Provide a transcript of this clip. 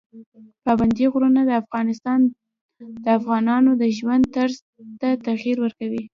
پابندي غرونه د افغانانو د ژوند طرز ته تغیر ورکوي.